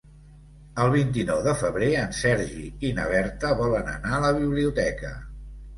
El vint-i-nou de febrer en Sergi i na Berta volen anar a la biblioteca.